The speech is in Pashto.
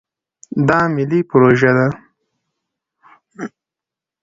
دا ملي پروژه ده.